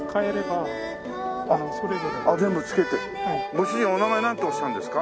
ご主人お名前なんておっしゃるんですか？